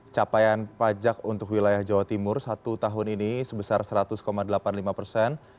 capaian pajak untuk wilayah jawa timur satu tahun ini sebesar seratus delapan puluh lima persen